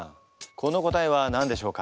この答えは何でしょうか？